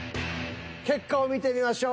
結果を見てみましょう。